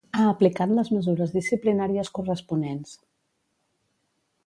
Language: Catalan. Ha aplicat les mesures disciplinàries corresponents.